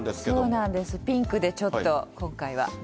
そうなんです、ピンクでちょっと、今回は。